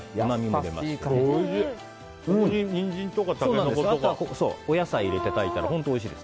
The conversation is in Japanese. あとはお野菜を入れて炊いたら本当においしいです。